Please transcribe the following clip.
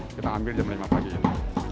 kita ambil jam lima pagi ini